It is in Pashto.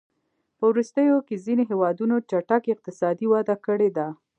په وروستیو کې ځینو هېوادونو چټکې اقتصادي وده کړې ده.